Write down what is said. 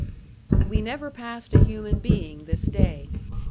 We never passed a human being this day.